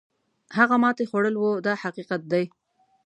هغه ماتې خوړل وو دا حقیقت دی.